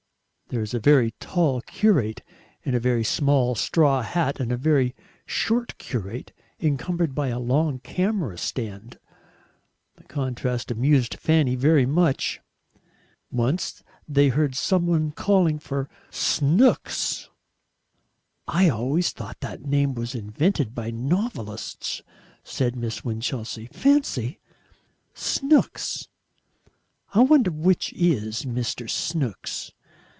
There was a very tall curate in a very small straw hat, and a very short curate encumbered by a long camera stand. The contrast amused Fanny very much. Once they heard some one calling for "Snooks." "I always thought that name was invented by novelists," said Miss Winchelsea. "Fancy! Snooks. I wonder which IS Mr. Snooks."